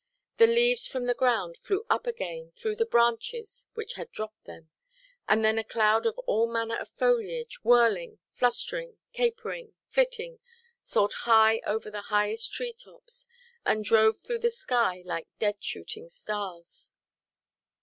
The leaves from the ground flew up again through the branches which had dropped them; and then a cloud of all manner of foliage, whirling, flustering, capering, flitting, soared high over the highest tree–tops, and drove through the sky like dead shooting–stars.